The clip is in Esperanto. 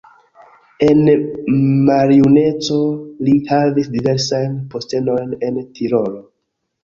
En maljuneco li havis diversajn postenojn en Tirolo.